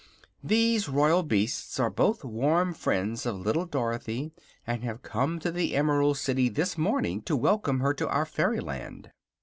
These royal beasts are both warm friends of little Dorothy and have come to the Emerald City this morning to welcome her to our fairyland."